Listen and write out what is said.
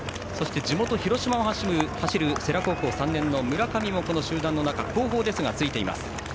地元・広島を走る世羅高校３年の村上もこの集団の中後方ですがついています。